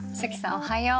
おはよう。